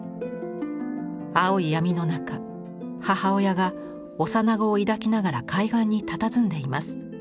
青い闇の中母親が幼子を抱きながら海岸にたたずんでいます。